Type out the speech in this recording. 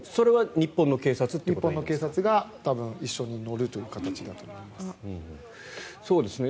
日本の警察が一緒に乗るという形だと思います。